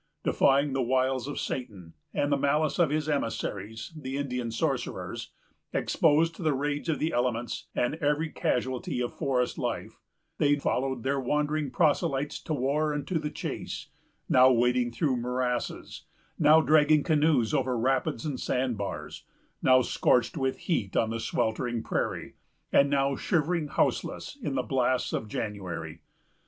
Defying the wiles of Satan and the malice of his emissaries, the Indian sorcerers; exposed to the rage of the elements, and every casualty of forest life, they followed their wandering proselytes to war and to the chase; now wading through morasses, now dragging canoes over rapids and sandbars; now scorched with heat on the sweltering prairie, and now shivering houseless in the blasts of January.